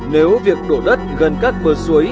nếu việc đổ đất gần các bờ suối